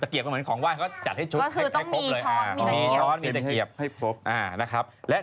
ตะเกียบอ่ะเหมือนของไหว้เขาก็จัดให้ชุดให้ครบเลย